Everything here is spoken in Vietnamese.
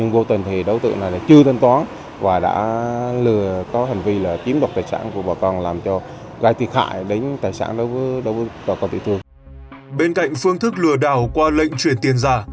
bên cạnh phương thức lừa đảo qua lệnh chuyển tiền giả